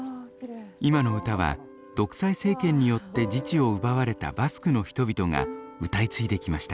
今の歌は独裁政権によって自治を奪われたバスクの人々が歌い継いできました。